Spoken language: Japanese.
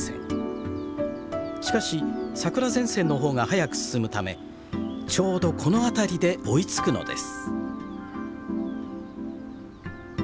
しかし桜前線の方が早く進むためちょうどこの辺りで追いつくのです。